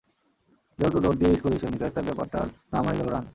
যেহেতু দৌড় দিয়েই স্কোরের হিসাব নিকাশ, তাই ব্যাপারটার নাম হয়ে গেল রান।